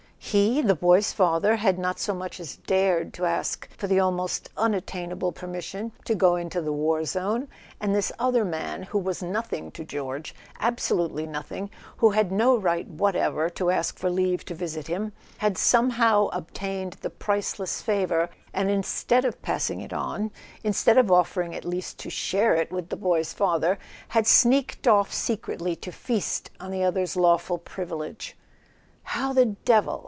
He, the boy's father, had not so much as dared to ask for the almost unat¬ tainable permission to go into the war zone; and this other man, who was nothing to George, absolutely nothing, who had no right whatever to ask for leave to visit him, had somehow obtained the priceless fa¬ vour, and instead of passing it on, instead of offering at least to share it with the boy's father, had sneaked off secretly to feast on the other's lawful privilege! "How the devil